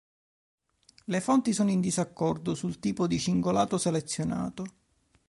Le fonti sono in disaccordo sul tipo di cingolato selezionato.